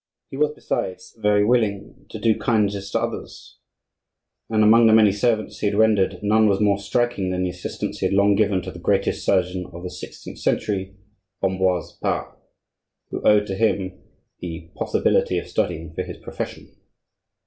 He was, besides, very willing to do kindnesses to others, and among the many services he had rendered, none was more striking than the assistance he had long given to the greatest surgeon of the sixteenth century, Ambroise Pare, who owed to him the possibility of studying for his profession.